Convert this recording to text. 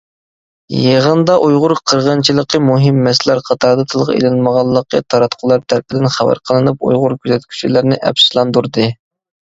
يېغىنىدا ئۇيغۇر قىرغىنچىلىقى مۇھىم مەسىلىلەر قاتارىدا تىلغا ئېلىنمىغانلىقى تاراتقۇلار تەرىپىدىن خەۋەر قىلىنىپ ئۇيغۇر كۆزەتكۈچىلەرنى ئەپسۇسلاندۇردى.